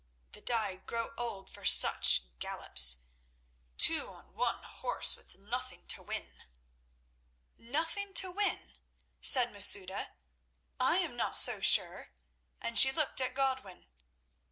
"That I grow old for such gallops—two on one horse, with nothing to win." "Nothing to win?" said Masouda. "I am not so sure!" and she looked at Godwin.